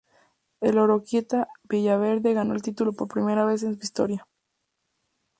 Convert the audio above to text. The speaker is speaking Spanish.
El Oroquieta Villaverde ganó el título por primera vez en su historia.